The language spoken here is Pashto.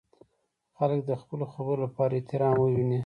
خلک دې د خپلو خبرو لپاره احترام وویني.